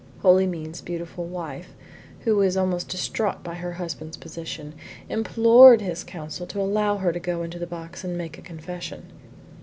Holymead's beautiful wife, who was almost distracted by her husband's position, implored his Counsel to allow her to go into the box and make a confession.